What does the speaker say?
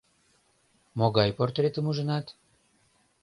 Могай портретым ужынат?